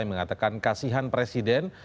yang mengatakan kasihan presiden